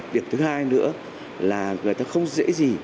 điểm thứ hai nữa là người ta không dễ gì